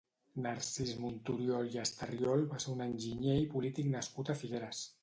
Narcís Monturiol i Estarriol va ser un enginyer i polític nascut a Figueres.